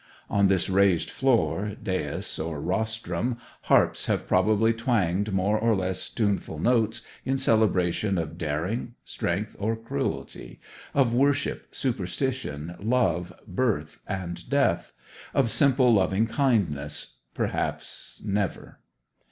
On this raised floor, dais, or rostrum, harps have probably twanged more or less tuneful notes in celebration of daring, strength, or cruelty; of worship, superstition, love, birth, and death; of simple loving kindness perhaps never.